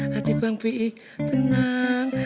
hati bang p i tenang